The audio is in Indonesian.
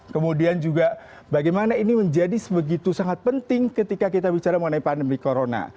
kemudian juga bagaimana ini menjadi sebegitu sangat penting ketika kita bicara mengenai pandemi corona